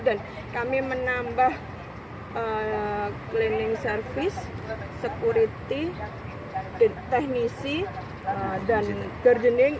dan kami menambah cleaning service security teknisi dan gardening